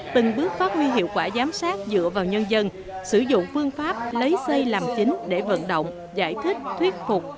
từng bước phát huy hiệu quả giám sát dựa vào nhân dân sử dụng phương pháp lấy xây làm chính để vận động giải thích thuyết phục